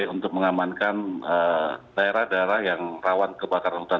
untuk mengamankan daerah daerah yang rawan kebakaran hutan